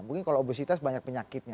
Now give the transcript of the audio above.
mungkin kalau obesitas banyak penyakitnya